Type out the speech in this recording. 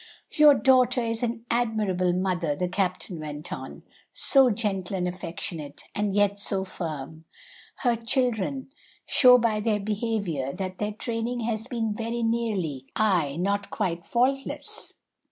"Your daughter is an admirable mother," the captain went on, "so gentle and affectionate, and yet so firm; her children show by their behavior that their training has been very nearly ii not quite faultless.